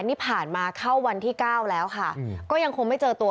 นี่ผ่านมาเข้าวันที่เก้าแล้วค่ะก็ยังคงไม่เจอตัว